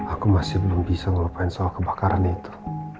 aku masih belum bisa ngelupain soal kebakarannya itu